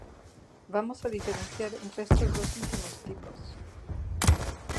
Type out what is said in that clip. Vamos a diferenciar entre estos dos últimos tipos.